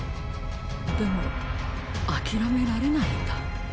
でもあきらめられないんだ。